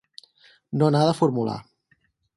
No n’ha de formular.